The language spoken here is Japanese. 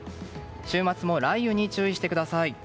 週末も雷雨に注意してください。